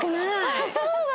ああそうだ！